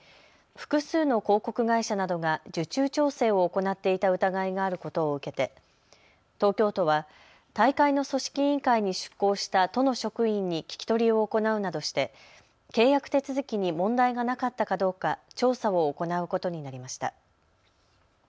複数の広告会社などが受注調整を行っていた疑いがあることを受けて東京都は大会の組織委員会に出向した都の職員に聞き取りを行うなどして契約手続きに問題がなかったかどうか調査を行うことになりました。